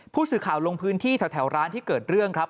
ผู้สื่อข่าวลงพื้นที่แถวร้านที่เกิดเรื่องครับ